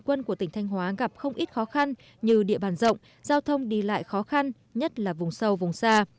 quân của tỉnh thanh hóa gặp không ít khó khăn như địa bàn rộng giao thông đi lại khó khăn nhất là vùng sâu vùng xa